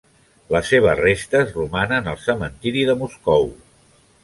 Les seves restes romanen al cementiri de Moscou.